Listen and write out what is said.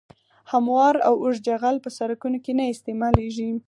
هموار او اوږد جغل په سرکونو کې نه استعمالیږي